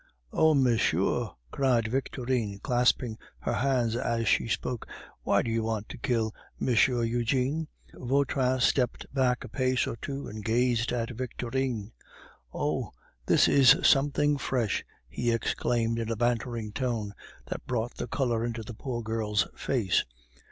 "Oh! monsieur," cried Victorine, clasping her hands as she spoke, "why do you want to kill M. Eugene?" Vautrin stepped back a pace or two, and gazed at Victorine. "Oh! this is something fresh!" he exclaimed in a bantering tone, that brought the color into the poor girl's face.